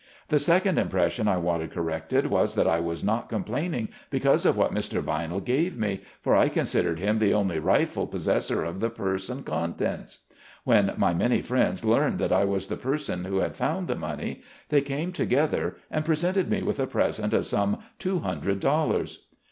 The second impression I wanted corrected, was that I was not complaining because of what Mr. Vinell gave me, for I consid ered him the only rightful possessor of the purse and contents. When my many friends learned that I was the person who had found the money, they came together and presented me with a present of some two hundred dollars.